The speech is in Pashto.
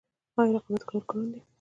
آیا رقابت کول ګران دي؟